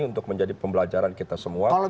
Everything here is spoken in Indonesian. untuk menjadi pembelajaran kita semua